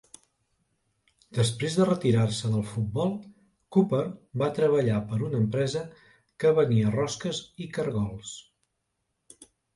Després de retirar-se del futbol, Cooper va treballar per a una empresa que venia rosques i cargols.